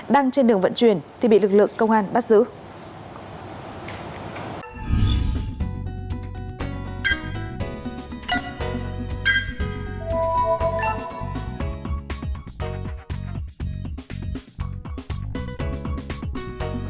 đang trên đường vận chuyển thì bị lực lượng công an bắt giữ